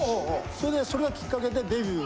それでそれがきっかけでデビュー。